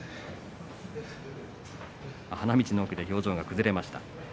花道の奥で表情が崩れました。